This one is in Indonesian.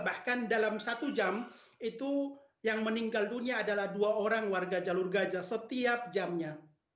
bahkan dalam satu jam itu yang meninggal dunia adalah dua orang warga jalur gaza setiap jamnya